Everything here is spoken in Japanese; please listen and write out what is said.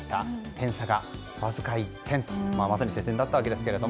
点差がわずか１点とまさに接戦だったんですが。